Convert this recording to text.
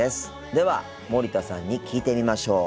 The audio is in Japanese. では森田さんに聞いてみましょう。